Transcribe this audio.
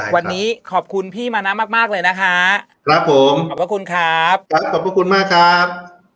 วันนี้ขอบคุณพี่มานะมากมากเลยนะคะครับผมขอบพระคุณครับครับขอบพระคุณมากครับ